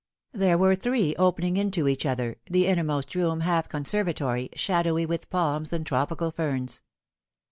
There were three, opening into each other, the innermost room half conservatory, shadowy with palms and tropical ferns.